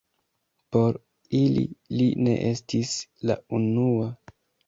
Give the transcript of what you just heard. Por ili, li ne estis la unua.